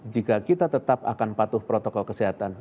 jika kita tetap akan patuh protokol kesehatan